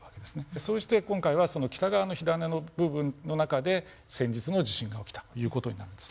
そうして今回はその北側の火種の部分の中で先日の地震が起きたという事になるんです。